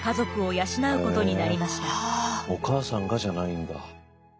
お母さんがじゃないんだ。